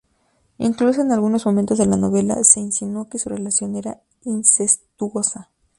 Incluso en algunos momentos de la novela se insinuó que su relación era incestuosa.